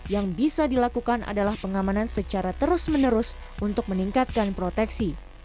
yang bisa dilakukan adalah pengamanan secara terus menerus untuk meningkatkan proteksi